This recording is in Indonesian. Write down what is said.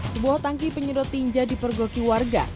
sebuah tangki penyedot tinja dipergoki warga